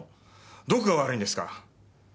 どこが悪いんですか？